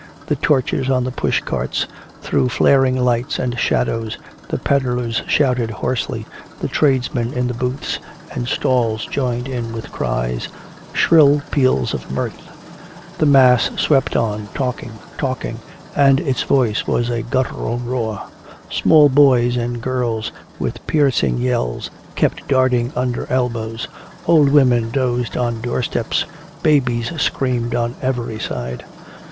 The torches on the pushcarts threw flaring lights and shadows, the peddlers shouted hoarsely, the tradesmen in the booths and stalls joined in with cries, shrill peals of mirth. The mass swept onward, talking, talking, and its voice was a guttural roar. Small boys and girls with piercing yells kept darting under elbows, old women dozed on doorsteps, babies screamed on every side.